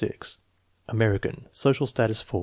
American, social status 4.